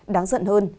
đáng giận hơn